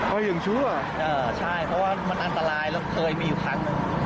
เอออย่างชัวร์อ่าใช่เพราะว่ามันอันตรายแล้วเคยมีอยู่ทั้ง